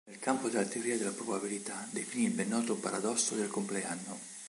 Nel campo della teoria della probabilità definì il ben noto Paradosso del compleanno.